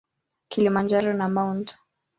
Kilimanjaro na Mt.